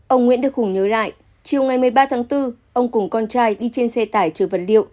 ông nguyễn đức hùng nhớ lại chiều ngày một mươi ba tháng bốn ông cùng con trai đi trên xe tải trừ vật liệu